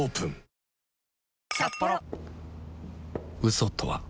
嘘とは